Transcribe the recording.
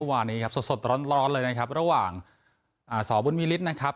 วันนี้ครับสดสดร้อนร้อนเลยนะครับระหว่างอ่าสอบุญมิลิตรนะครับ